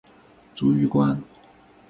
卒于官。